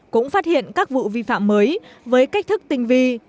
cũng phát hiện các vụ vi phạm mới với cách thức tinh vi